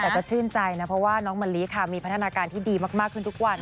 แต่ก็ชื่นใจนะเพราะว่าน้องมะลิค่ะมีพัฒนาการที่ดีมากขึ้นทุกวัน